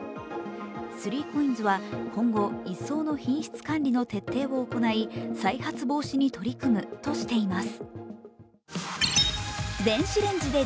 ３ＣＯＩＮＳは今後、一層の品質管理の徹底を行い再発防止に取り組むとしています。